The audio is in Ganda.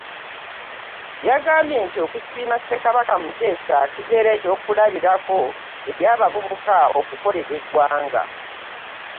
Yagambye nti okusiima ssekabaka Muteesa kibeere eky'okulabirako eri abavubuka okukolera eggwanga